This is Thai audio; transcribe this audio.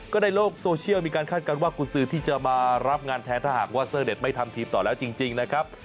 ก็ในโลกโซเชียลมีการคาดการณ์ว่ากุศือที่จะมารับงานแทนถ้าหากว่าเซอร์เด็ดไม่ทำทีมต่อแล้วจริงนะครับ